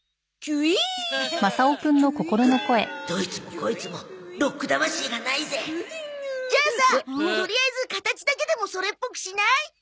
フッどいつもこいつもロック魂がないぜじゃあさとりあえず形だけでもそれっぽくしない？